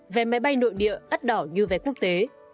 vé máy bay nội địa đắt đỏ như vé quốc tế